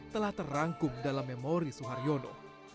telah terangkum dalam memori suharyono